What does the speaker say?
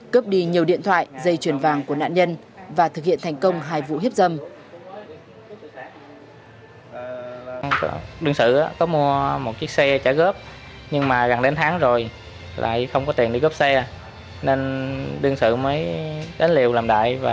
cướp đi nhiều điện thoại dây chuyền vàng của nạn nhân và thực hiện thành công hai vụ hiếp dâm